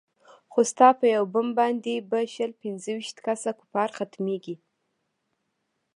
خو ستا په يو بم باندې به شل پينځه ويشت کسه کفار ختميګي.